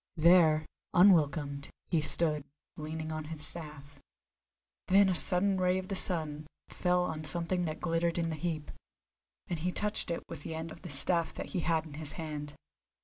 There, unwelcomed, he stood, leaning on his staff. Then a sudden ray of the sun fell on something that glittered in the heap, and he touched it with the end of the staff that he had in his hand.